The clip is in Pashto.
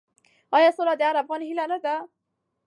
آیا سوله د هر افغان هیله نه ده؟